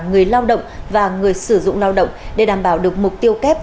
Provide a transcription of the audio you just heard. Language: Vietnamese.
người lao động và người sử dụng lao động để đảm bảo được mục tiêu kép